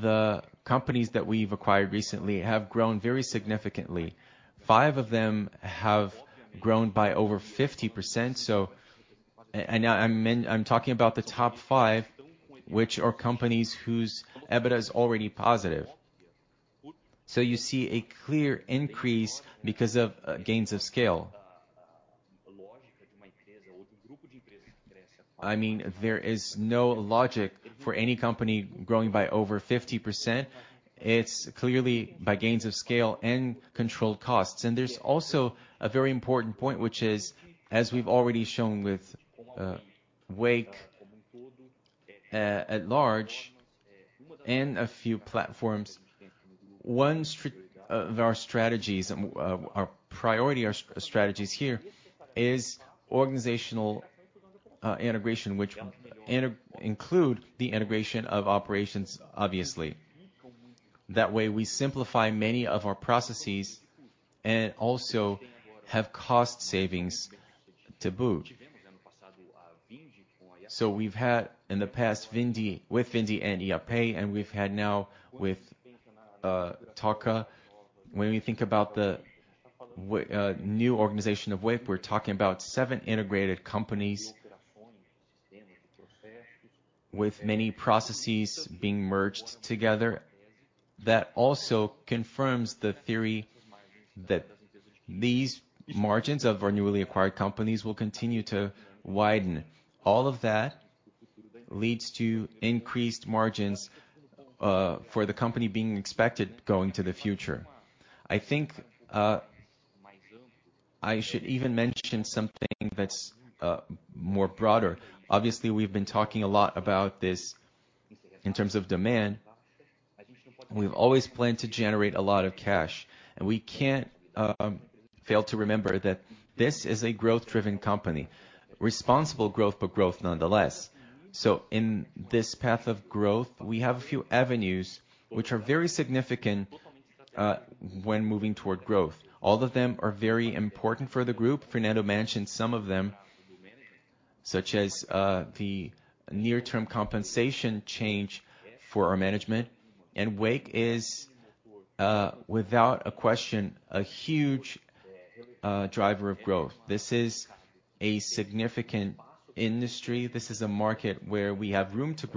the companies that we've acquired recently have grown very significantly. Five of them have grown by over 50%. I mean, I'm talking about the top five, which are companies whose EBITDA is already positive. You see a clear increase because of gains of scale. I mean, there is no logic for any company growing by over 50%. It's clearly by gains of scale and controlled costs. There's also a very important point, which is, as we've already shown with Wake at large and a few platforms, one of our strategies, our priority strategies here is organizational integration, which include the integration of operations, obviously. That way, we simplify many of our processes and also have cost savings to boot. We've had in the past Vindi with Vindi and Yapay, and we've had now with Taca. When we think about the new organization of Wake, we're talking about seven integrated companies with many processes being merged together. That also confirms the theory that these margins of our newly acquired companies will continue to widen. All of that leads to increased margins for the company being expected going to the future. I think I should even mention something that's more broader. Obviously, we've been talking a lot about this in terms of demand. We've always planned to generate a lot of cash, and we can't fail to remember that this is a growth-driven company. Responsible growth, but growth nonetheless. In this path of growth, we have a few avenues which are very significant when moving toward growth. All of them are very important for the group. Fernando mentioned some of them, such as the near term compensation change for our management. Wake is without a question, a huge driver of growth. This is a significant industry. This is a market where we have room to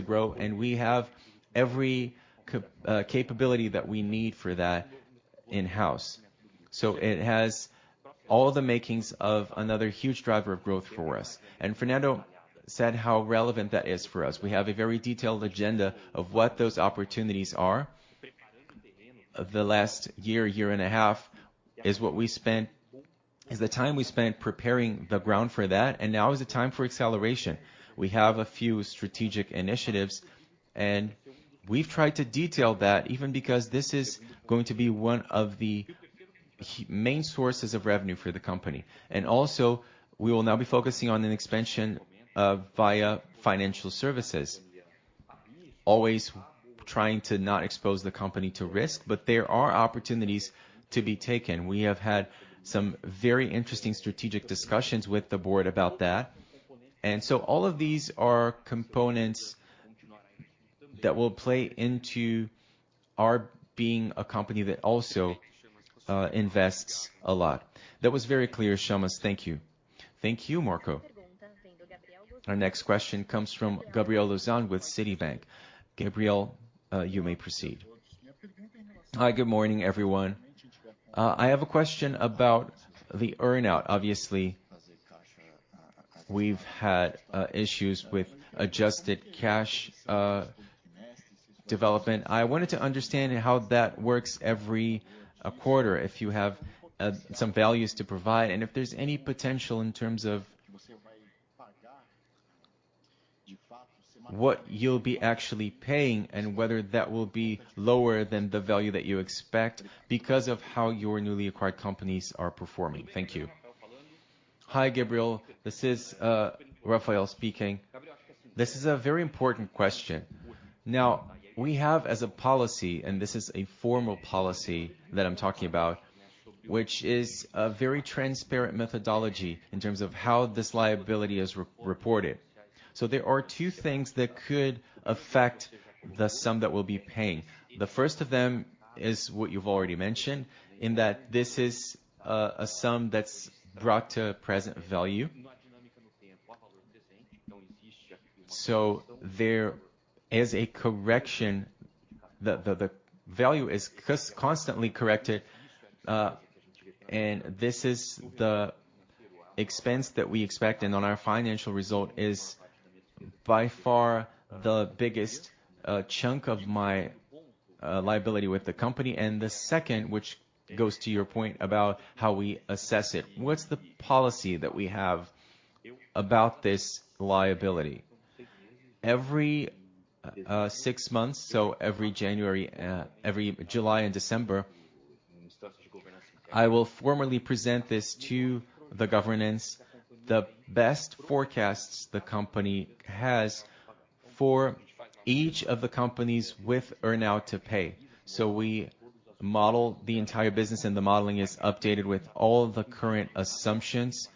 grow, and we have every capability that we need for that in-house. It has all the makings of another huge driver of growth for us. Fernando said how relevant that is for us. We have a very detailed agenda of what those opportunities are. The last year and a half is the time we spent preparing the ground for that, and now is the time for acceleration. We have a few strategic initiatives, and we've tried to detail that, even because this is going to be one of the main sources of revenue for the company. Also, we will now be focusing on an expansion of via financial services, always trying to not expose the company to risk, but there are opportunities to be taken. We have had some very interesting strategic discussions with the board about that. All of these are components that will play into our being a company that also invests a lot. That was very clear, Chamas. Thank you. Thank you, Marco. Our next question comes from Gabriel Gusan with Citibank. Gabriel, you may proceed. Hi, good morning, everyone. I have a question about the earn-out. Obviously, we've had issues with adjusted cash development. I wanted to understand how that works every quarter, if you have some values to provide and if there's any potential in terms of what you'll be actually paying and whether that will be lower than the value that you expect because of how your newly acquired companies are performing. Thank you. Hi, Gabriel. This is Rafael speaking. This is a very important question. We have as a policy, and this is a formal policy that I'm talking about, which is a very transparent methodology in terms of how this liability is re-reported. There are two things that could affect the sum that we'll be paying. The first of them is what you've already mentioned, in that this is a sum that's brought to present value. There is a correction. The value is constantly corrected, and this is the expense that we expect, and on our financial result is by far the biggest chunk of my liability with the company. The second, which goes to your point about how we assess it. What's the policy that we have about this liability? Every six months, so every January, every July and December, I will formally present this to the governance. The best forecasts the company has for each of the companies with earn-out to pay. We model the entire business, and the modeling is updated with all the current assumptions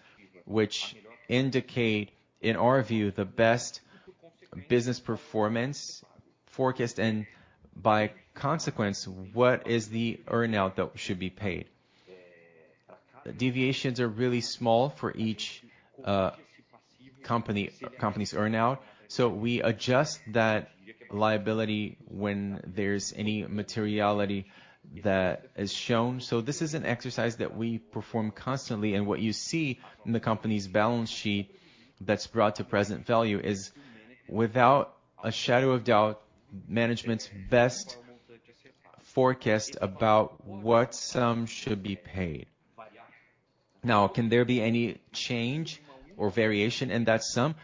which indicate, in our view, the best business performance forecast, and by consequence, what is the earn-out that should be paid. Deviations are really small for each company's earn-out, so we adjust that liability when there's any materiality that is shown. This is an exercise that we perform constantly, and what you see in the company's balance sheet that's brought to present value is without a shadow of doubt, management's best forecast about what sum should be paid. Can there be any change or variation in that sum?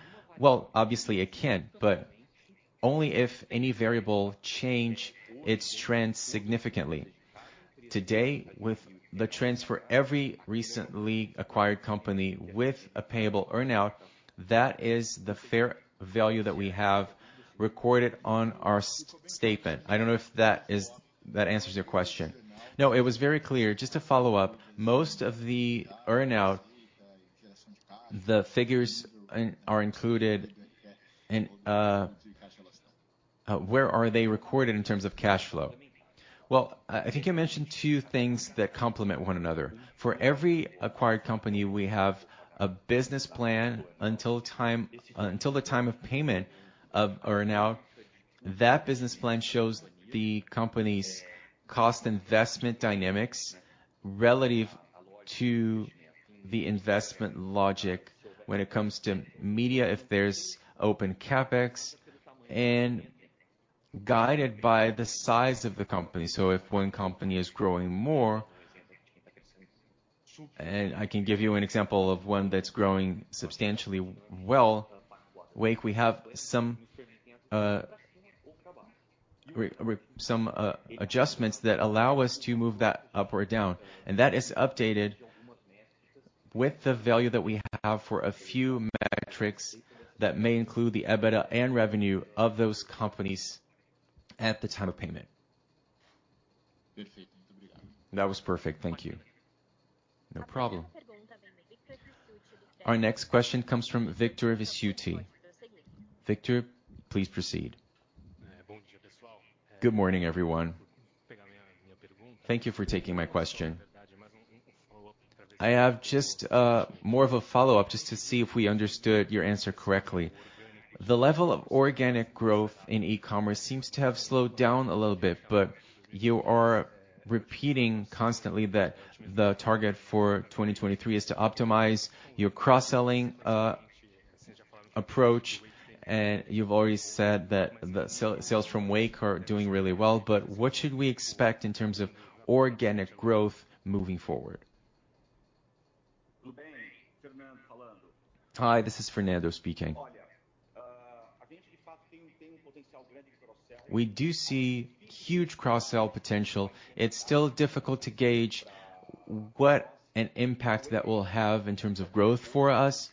Obviously, it can, but only if any variable change its trend significantly. Today, with the trends for every recently acquired company with a payable earn-out, that is the fair value that we have recorded on our statement. I don't know if that answers your question. No, it was very clear. Just to follow up, most of the earn-out, the figures are included in... Where are they recorded in terms of cash flow? Well, I think I mentioned two things that complement one another. For every acquired company, we have a business plan until time, until the time of payment or now. That business plan shows the company's cost investment dynamics relative to the investment logic when it comes to media, if there's open CapEx and guided by the size of the company. If one company is growing more, and I can give you an example of one that's growing substantially well. Wake, we have some adjustments that allow us to move that up or down, and that is updated with the value that we have for a few metrics that may include the EBITDA and revenue of those companies at the time of payment. That was perfect. Thank you. No problem. Our next question comes from Victor Ricciuti. Victor, please proceed. Good morning, everyone. Thank you for taking my question. I have just more of a follow-up, just to see if we understood your answer correctly. The level of organic growth in e-commerce seems to have slowed down a little bit. You are repeating constantly that the target for 2023 is to optimize your cross-selling approach. You've always said that the sales from Wake are doing really well. What should we expect in terms of organic growth moving forward? Hi, this is Fernando speaking. We do see huge cross-sell potential. It's still difficult to gauge what an impact that will have in terms of growth for us.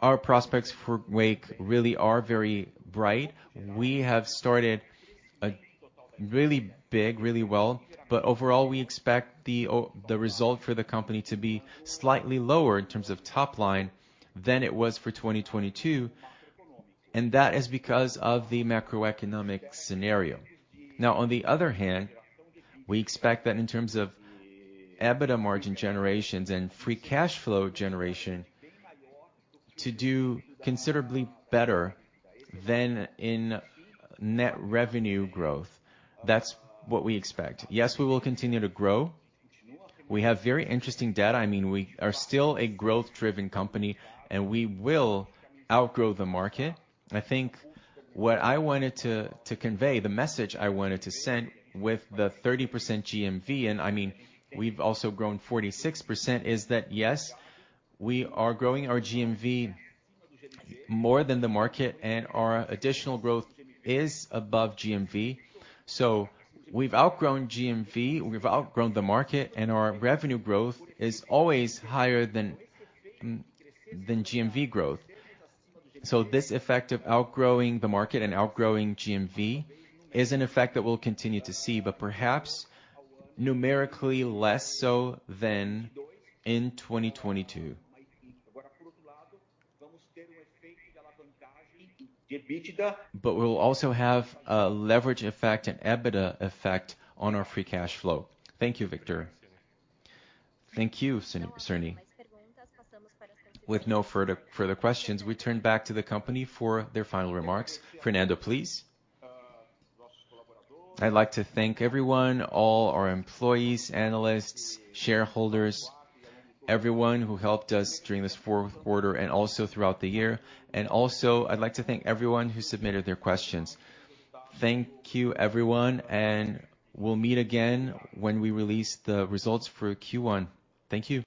Our prospects for Wake really are very bright. We have started really big, really well, overall we expect the result for the company to be slightly lower in terms of top line than it was for 2022, that is because of the macroeconomic scenario. On the other hand, we expect that in terms of EBITDA margin generations and free cash flow generation to do considerably better than in net revenue growth. That's what we expect. Yes, we will continue to grow. We have very interesting data. I mean, we are still a growth driven company, we will outgrow the market. I think what I wanted to convey, the message I wanted to send with the 30% GMV, and I mean, we've also grown 46%, is that, yes, we are growing our GMV more than the market and our additional growth is above GMV. We've outgrown GMV, we've outgrown the market, and our revenue growth is always higher than GMV growth. This effect of outgrowing the market and outgrowing GMV is an effect that we'll continue to see, but perhaps numerically less so than in 2022. We'll also have a leverage effect and EBITDA effect on our free cash flow. Thank you, Victor. Thank you, Cirne. With no further questions, we turn back to the company for their final remarks. Fernando, please. I'd like to thank everyone, all our employees, analysts, shareholders, everyone who helped us during this fourth quarter and also throughout the year. Also I'd like to thank everyone who submitted their questions. Thank you, everyone, and we'll meet again when we release the results for Q1. Thank you.